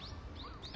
え？